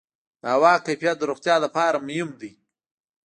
د هوا کیفیت د روغتیا لپاره مهم دی.